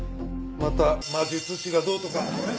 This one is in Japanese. また魔術師がどうとか。